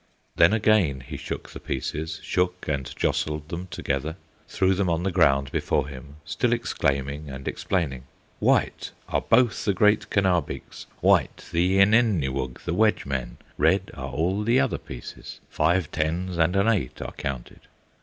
Then again he shook the pieces, Shook and jostled them together, Threw them on the ground before him, Still exclaiming and explaining: "White are both the great Kenabeeks, White the Ininewug, the wedge men, Red are all the other pieces; Five tens and an eight are counted."